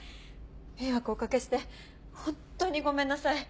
迷惑をおかけして本当にごめんなさい。